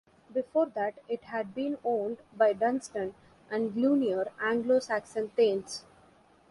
Before that it had been owned by Dunstan and Glunier, Anglo-Saxon thanes.